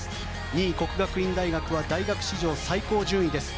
２位、國學院大學は大学史上最高順位です。